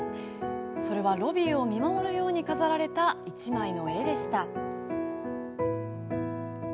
それはロビーを見守るように飾られた１枚の絵でした。